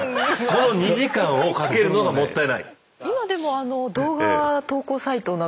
この２時間をかけるのがもったいない。